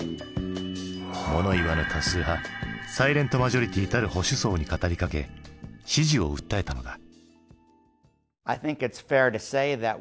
物言わぬ多数派サイレント・マジョリティたる保守層に語りかけ支持を訴えたのだ。